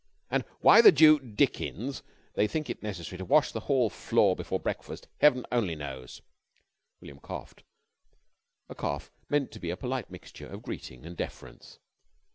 And why the deu dickens they think it necessary to wash the hall floor before breakfast, Heaven only knows!" William coughed, a cough meant to be a polite mixture of greeting and deference.